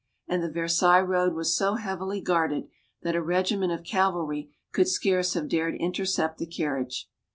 And the Versailles road was so heavily guarded that a regiment of cavalry could scarce have dared intercept the carriage.